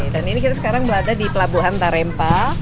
dan ini kita sekarang berada di pelabuhan tarempa